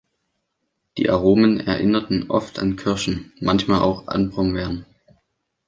Die Aromen erinnerten oft an Kirschen, manchmal auch an Brombeeren.